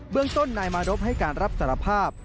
เรื่องต้นนายมารบให้การรับสารภาพ